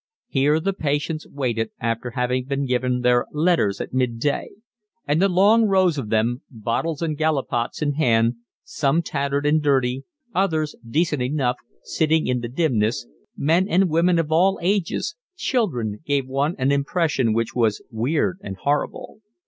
Here the patients waited after having been given their 'letters' at mid day; and the long rows of them, bottles and gallipots in hand, some tattered and dirty, others decent enough, sitting in the dimness, men and women of all ages, children, gave one an impression which was weird and horrible.